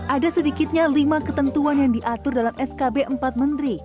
ada sedikitnya lima ketentuan yang diatur dalam skb empat menteri